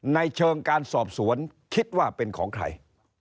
ในเชิงการสอบสวนคิดว่าเป็นของใคร